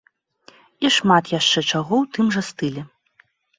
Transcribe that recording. І шмат яшчэ чаго ў тым жа стылі.